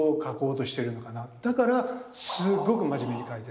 だからすごく真面目に描いてる。